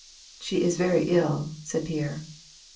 " She is very ill," said Pierre.